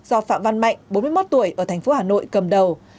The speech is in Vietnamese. do phạm văn mạnh bốn mươi một tuổi ở tp hà nội cầm đầu